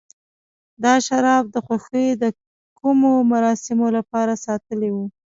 دا شراب د خوښۍ د کومو مراسمو لپاره ساتلي و.